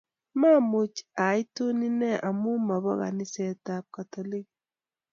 mamuch atun inee amu mobo kanisetab katoliki